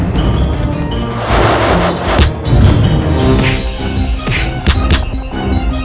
kami merupakan ksatria